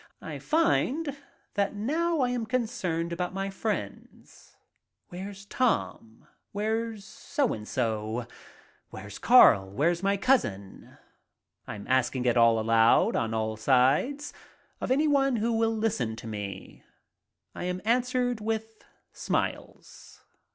I find that now I am concerned about my friends. Where's Tom? Where's So and so? Where's Carl? Where's my cousin? I'm asking it all aloud, on all sides, of anyone who will listen to me. I am answered with smiles.